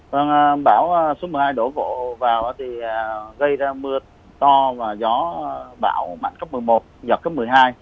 vâng bão số một mươi hai đổ vỗ vào thì gây ra mưa to và gió bão mạnh cấp một mươi một giọt cấp một mươi hai